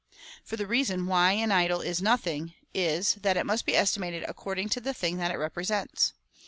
For the reason why an idol is nothing is, that it must be estimated according to the thing that it represents.